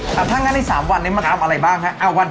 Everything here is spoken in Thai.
ถ้างั้นใน๓วันมาทำอะไรบ้างครับ